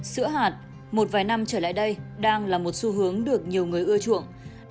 sữa hạn một vài năm trở lại đây đang là một xu hướng được nhiều người ưa chuộng